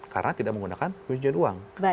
karena tidak menggunakan penyelidikan uang